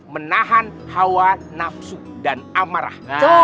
menahan hawa nafsu dan amarah